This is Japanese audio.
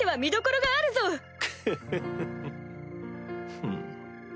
フン。